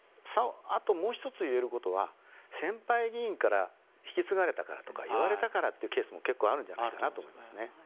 あともう１つ言えることは先輩議員から引き継がれたからとか言われたからというケースも結構、あるんじゃないかと思うんですね。